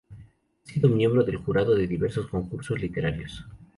Ha sido miembro del jurado de diversos concursos literarios.